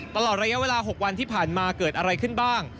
ตลอดระยะเวลา๖วันที่ผ่านมาเกิดอะไรขึ้นบ้าง